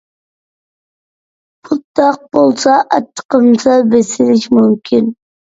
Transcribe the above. مۇنداق بولسا ئاچچىقىم سەل بېسىلىشى مۇمكىن.